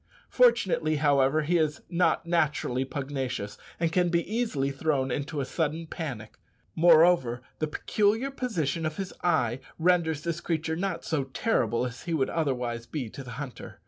Fortunately, however, he is not naturally pugnacious, and can be easily thrown into a sudden panic. Moreover, the peculiar position of his eye renders this creature not so terrible as he would otherwise be to the hunter.